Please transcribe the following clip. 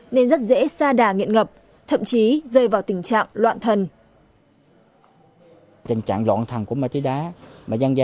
nên rất dễ xa đà nghiện ngập thậm chí rơi vào tình trạng loạn thần